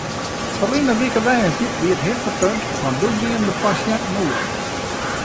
Ferline wike woansdei wie it hichtepunt want doe gienen de pasjinten oer.